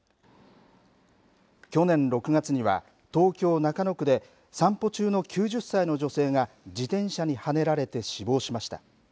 去年６月には、東京・中野区で散歩中の９０歳の女性が自転車にはねられて死亡しました。